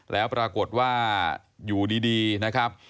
แล้วปรากฏว่าอยู่ดีนะครับ